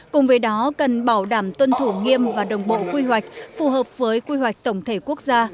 cùng với đó cần bảo đảm tuân thủ nghiêm và đồng bộ quy hoạch phù hợp với quy hoạch tổng thể quốc gia